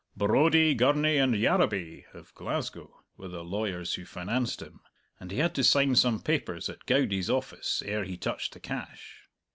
"Brodie, Gurney, and Yarrowby" of Glasgow were the lawyers who financed him, and he had to sign some papers at Goudie's office ere he touched the cash.